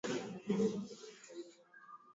sulfuri au monoksidi kaboni Kiasi hiki cha gesi chafu